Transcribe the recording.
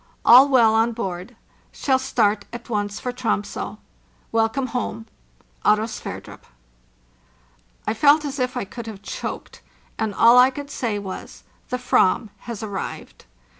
All well on board. Shall start at once for Troms6. Welcome home! © Oro: SVERDRUP: I felt as if I should have choked, and all [I could say was, "The /vam has arrived!"